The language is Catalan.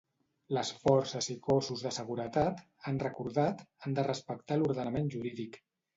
Les forces i cossos de seguretat, han recordat, han de respectar l'ordenament jurídic.